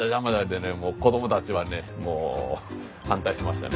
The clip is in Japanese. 子供たちはねもう反対してましたね。